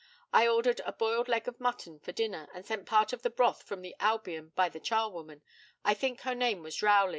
I ordered a boiled leg of mutton for dinner, and sent part of the broth from the Albion by the charwoman I think her name was Rowley.